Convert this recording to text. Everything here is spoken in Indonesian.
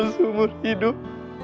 yang sudah menyesal seumur hidup